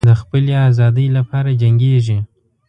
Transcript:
د خپلې آزادۍ لپاره جنګیږي.